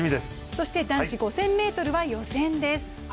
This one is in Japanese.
そして男子５０００ｍは予選です